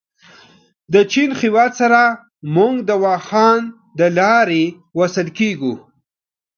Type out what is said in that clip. د چین هېواد سره موږ د واخان دلاري وصل کېږو.